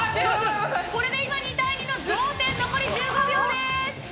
これで今２対２の同点、残り１５秒です。